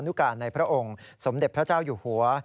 นุการในพระองค์สมเด็จพระเจ้าอยู่หัว